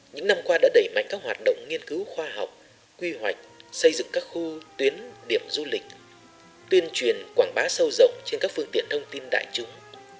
những năm qua đã đẩy mạnh các hoạt động nghiên cứu khoa học quy hoạch xây dựng các khu tuyến điểm du lịch tuyên truyền quảng bá sâu rộng trên các phương tiện thông tin đại chúng